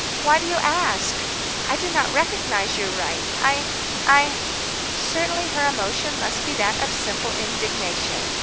Why do you ask? I do not recognise your right. I I " Certainly her emotion must be that of simple indignation.